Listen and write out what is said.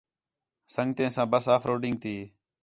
سنڳتیں ساں ٻس آف روڈنگ تی